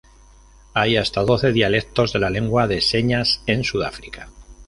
Hay hasta doce dialectos de la lengua de señas en Sudáfrica.